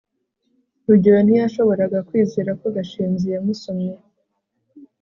rugeyo ntiyashoboraga kwizera ko gashinzi yamusomye